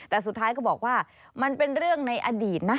แต่สุดท้ายก็บอกว่ามันเป็นเรื่องในอดีตนะ